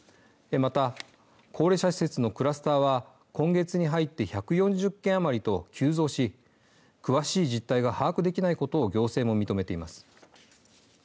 また、高齢者施設のクラスターは今月に入って１４０件余りと急増し詳しい実態が把握できないことを行政も認めています。